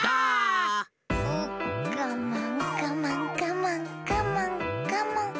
うっがまんがまんがまんがまんがまん。